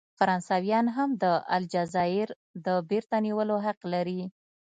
فرانسویان هم د الجزایر د بیرته نیولو حق لري.